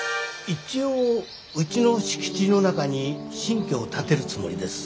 一応うちの敷地の中に新居を建てるつもりです。